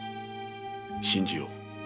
信じよう。